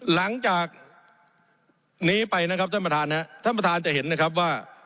หลังจากนี้ไปนะครับท่านประธานครับท่านประธานจะเห็นนะครับว่า